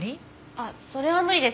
あっそれは無理です。